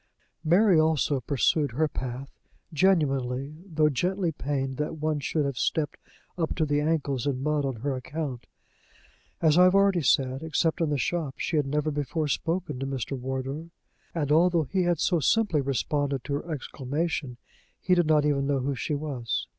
Mary also pursued her path, genuinely though gently pained that one should have stepped up to the ankles in mud on her account. As I have already said, except in the shop she had never before spoken to Mr. Wardour, and, although he had so simply responded to her exclamation, he did not even know who she was.